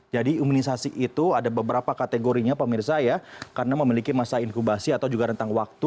jadi imunisasi itu ada beberapa kategorinya pemirsa ya karena memiliki masa inkubasi atau juga rentang waktu